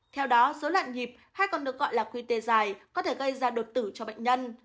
theo đó dối loạn nhịp hay còn được gọi là qt dài có thể gây ra đột tử cho bệnh nhân